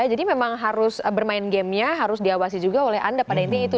jadi memang harus bermain gamenya harus diawasi juga oleh anda pada intinya itu